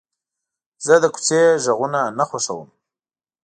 زه د کوڅې غږونه نه خوښوم.